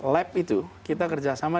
lab itu kita kerjasama